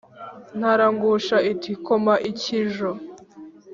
ntaragusha iti : koma ikijo.